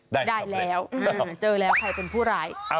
ได้แล้วเจอแล้วใครเป็นผู้ร้าย